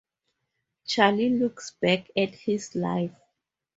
Charlie looks back at his life.